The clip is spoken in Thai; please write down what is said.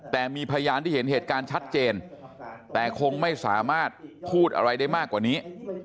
แต่มีพยานที่เห็นเหตุการณ์ชัดเจนแต่คงไม่สามารถพูดอะไรได้มากกว่านี้